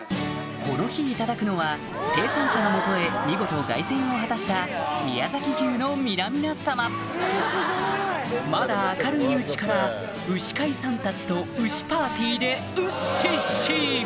この日いただくのは生産者の元へ見事凱旋を果たした宮崎牛の皆々様まだ明るいうちから牛飼いさんたちと牛パーティーでウッシッシ！